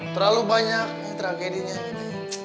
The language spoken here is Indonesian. terlalu banyak tragedinya ini